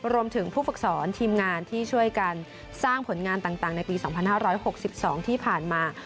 รวมถึงผู้ฝึกสอนทีมงานที่ช่วยกันสร้างผลงานต่างในปี๒๕๖๒ที่ผ่านมา